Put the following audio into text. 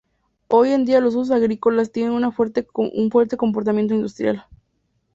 Hoy en día los usos agrícolas tienen un fuerte comportamiento industrial.